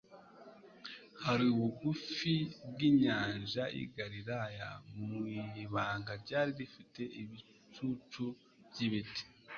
"Hari bugufi bw' inyanja y'i Galilaya, mu ibanga ryari rifite ibicucu by'ibiti,